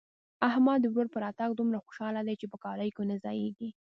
احمد د ورور په راتګ دومره خوشاله دی چې په کالو کې نه ځايېږي.